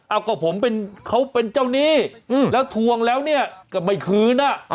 เอาก็ผมเป็นเขาเป็นเจ้าหนี้แล้วทวงแล้วเนี่ยก็ไม่คืนอ่ะ